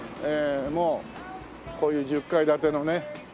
もうこういう１０階建てのね。